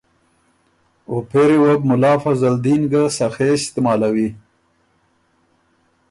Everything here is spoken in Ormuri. او پېری وه بُو ملا فضل دین ګه سخے استعمالوی،